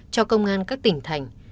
cho công an các tỉnh thành